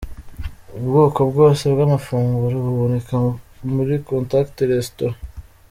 Ubwoko bwose bw'amafunguro buboneka muri Contact restaurant!.